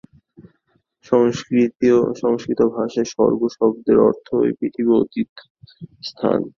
সংস্কৃত ভাষায় স্বর্গ-শব্দের অর্থ এই পৃথিবীর অতীত স্থান।